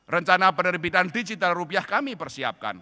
rencana penerbitan digital rupiah kami persiapkan